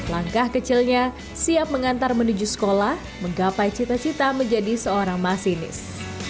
langkah kecilnya siap mengantar menuju sekolah menggapai cita cita menjadi seorang masinis